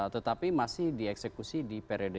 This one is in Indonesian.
tetapi masih dieksekusi di periode